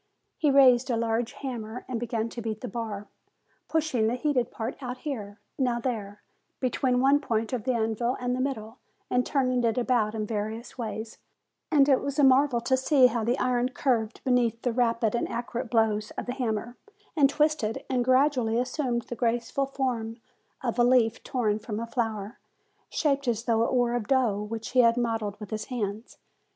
He raised a large hammer and began to beat the bar, pushing the heated part now here, now there, between one point of the anvil and the middle, and turning it about in various ways ; and it was a marvel to see how the iron curved beneath the rapid and accurate blows of the hammer, and twisted, and gradually assumed the graceful form of a leaf torn from a flower, shaped as though it were of dough which he had modelled with his hands.